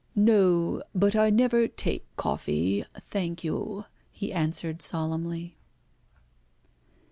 "No; but I never take coffee, thank you," he answered solemnly.